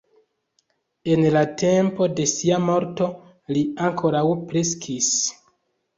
En la tempo de sia morto li ankoraŭ kreskis.